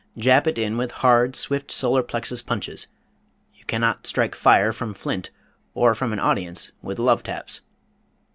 Jab it in with hard, swift solar plexus punches. You cannot strike fire from flint or from an audience with love taps.